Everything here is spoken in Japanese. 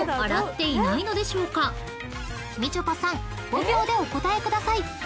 ［みちょぱさん５秒でお答えください］